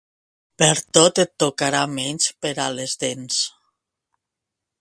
Per tot et tocarà menys per a les dents.